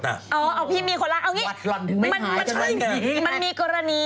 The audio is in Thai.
พี่มีคนลาดเอาอย่างนี้